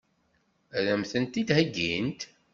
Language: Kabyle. Ad m-tent-id-heggint?